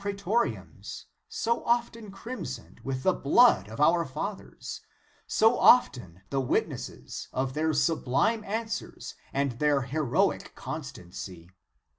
We stand in one of the Roman pra^toriums, so often crimsoned with the blood of our fathers, so often the wit nesses of their sublime answers and their heroic constancy.